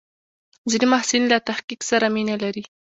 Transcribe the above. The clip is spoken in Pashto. ځینې محصلین له تحقیق سره مینه لري.